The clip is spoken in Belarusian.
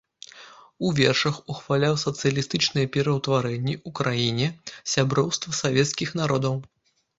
У вершах ухваляў сацыялістычныя пераўтварэнні ў краіне, сяброўства савецкіх народаў.